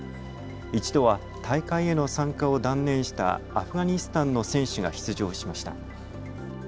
一度は大会への参加を断念したアフガニスタンの選手が出場しました。